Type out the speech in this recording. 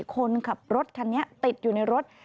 คนขับรถคันนี้ติดอยู่ในรถ